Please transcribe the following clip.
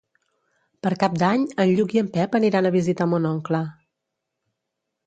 Per Cap d'Any en Lluc i en Pep aniran a visitar mon oncle.